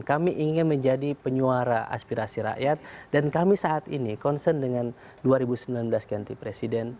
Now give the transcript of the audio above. kami ingin menjadi penyuara aspirasi rakyat dan kami saat ini concern dengan dua ribu sembilan belas ganti presiden